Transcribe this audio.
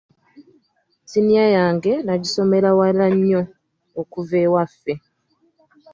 Siniya yange nagisomera wala nnyo okuva ewaffe.